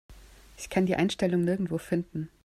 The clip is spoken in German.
Ich kann die Einstellung nirgendwo finden.